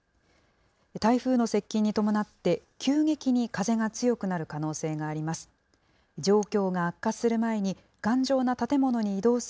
台風の接近に伴って、急激に風が強くなる可能性があります。